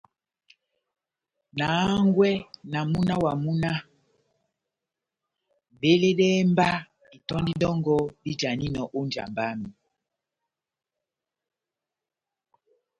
Wa hángwɛ na múna wamu náh :« veledɛhɛ mba itɔ́ndi dɔngɔ dijaninɔ ó njamba yami »